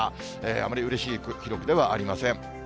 あまりうれしい記録ではありません。